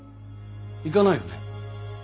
行かないよね？